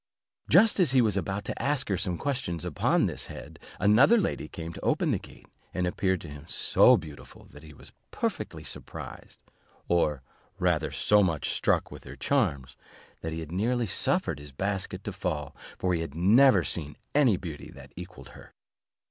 Just as he was about to ask her some questions upon this head, another lady came to open the gate, and appeared to him so beautiful, that he was perfectly surprised, or rather so much struck with her charms, that he had nearly suffered his basket to fall, for he had never seen any beauty that equalled her.